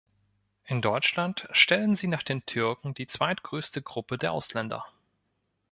In Deutschland stellen sie nach den Türken die zweitgrößte Gruppe der Ausländer.